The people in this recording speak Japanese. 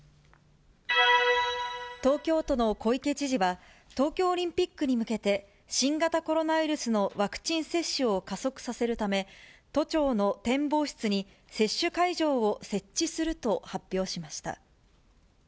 東京都の小池知事は、東京オリンピックに向けて、新型コロナウイルスのワクチン接種を加速させるため、都庁の展望室に接種会場を設置すると発表しました。